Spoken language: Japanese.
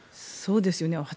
そうですよね。